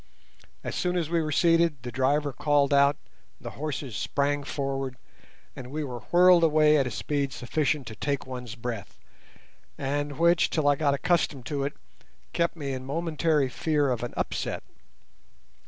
As soon as we were seated the driver called out, the horses sprang forward, and we were whirled away at a speed sufficient to take one's breath, and which, till I got accustomed to it, kept me in momentary fear of an upset.